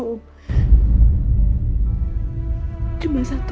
aku gak pernah ngerasain itu